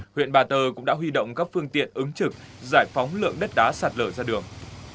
huyện ba tơ cũng đã huy động các phương tiện ứng trực giải phóng lượng đất đá sạt lở ra đường